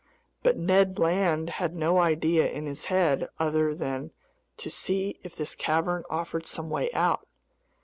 But Ned Land had no idea in his head other than to see if this cavern offered some way out.